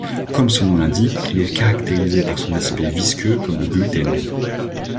Comme son nom l'indique, il est caractérisé par son aspect visqueux comme le gluten.